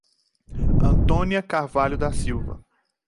Antônia Carvalho da Silva